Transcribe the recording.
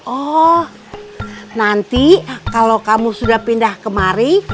oh nanti kalau kamu sudah pindah kemari